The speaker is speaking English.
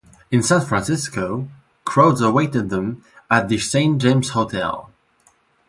In San Francisco, crowds awaited them at the Saint James Hotel.